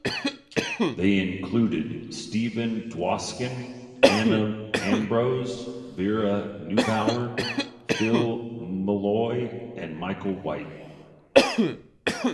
They included Stephen Dwoskin, Anna Ambrose, Vera Neubauer, Phil Mulloy and Michael Whyte.